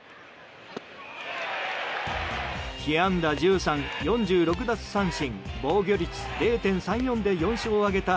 被安打１３、４６奪三振防御率０．３４で４勝を挙げた